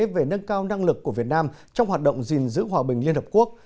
về nâng cao năng lực của việt nam trong hoạt động gìn giữ hòa bình liên hợp quốc